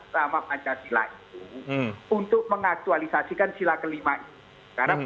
sama pancasila itu untuk mengaktualisasikan sila kelima ini